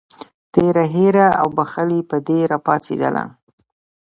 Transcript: تېره هیره او بښلې بدي راپاڅېدله.